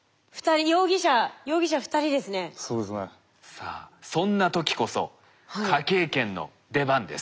さあそんな時こそ科警研の出番です。